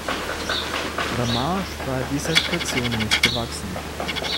Ramage war dieser Situation nicht gewachsen.